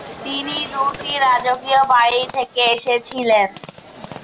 তিনি দুটি রাজকীয় বাড়ি থেকে এসেছিলেন।